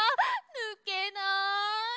ぬけない！